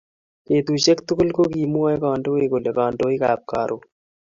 Betusiek tugul kokimwoei kandoik kole kandoikab Karon